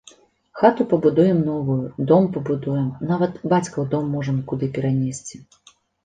Хату пабудуем новую, дом пабудуем, нават бацькаў дом можам куды перанесці.